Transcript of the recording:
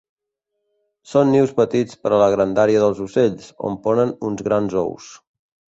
Són nius petits per a la grandària dels ocells, on ponen uns grans ous.